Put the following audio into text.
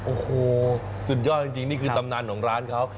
โอ้โหสุดยอดจริงนี่คือตำนานของร้านเขา